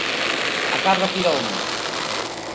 A cabra tira ao monte.